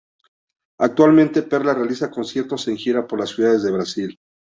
Actualmente, Perla realiza conciertos en gira por las ciudades de Brasil.